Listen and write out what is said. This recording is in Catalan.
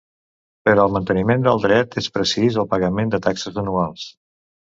Per al manteniment del dret és precís el pagament de taxes anuals.